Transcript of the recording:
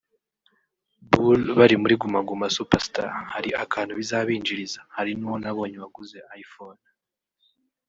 Bull bari muri Guma Guma Super Star hari akantu bizabinjiriza hari n’uwo nabonye waguze i phone